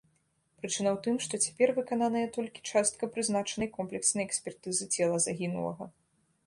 Прычына ў тым, што цяпер выкананая толькі частка прызначанай комплекснай экспертызы цела загінулага.